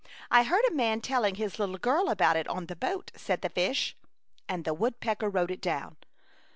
I heard a man telling his little girl about it on the boat/' said the fish. And the woodpecker wrote it down.